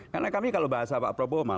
karena kami kalau bahasa pak prabowo malah